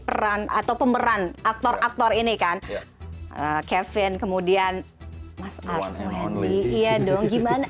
peran atau pemeran aktor aktor ini kan kevin kemudian mas arswendi iya dong gimana